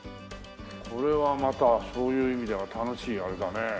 これはまたそういう意味では楽しいあれだね。